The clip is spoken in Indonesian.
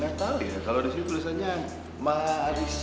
gak tau ya kalau disini tulisannya marissa